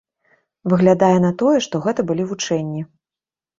Выглядае на тое, што гэта былі вучэнні.